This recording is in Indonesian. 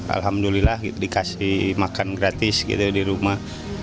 alhamdulillah dikasih makan gratis gitu di rumah